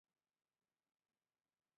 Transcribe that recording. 鸣走跃蛛为跳蛛科跃蛛属的动物。